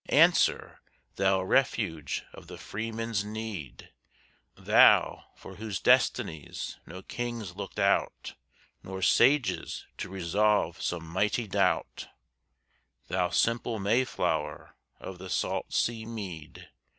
Answer, thou refuge of the freeman's need, Thou for whose destinies no kings looked out, Nor sages to resolve some mighty doubt, Thou simple Mayflower of the salt sea mead!